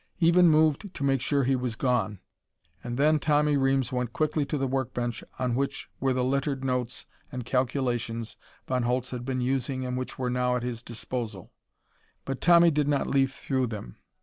Even moved to make sure he was gone. And then Tommy Reames went quickly to the work bench on which were the littered notes and calculations Von Holtz had been using and which were now at his disposal. But Tommy did not leaf through them.